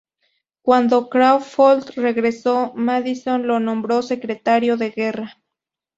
Cuando Crawford regresó, Madison lo nombró Secretario de Guerra.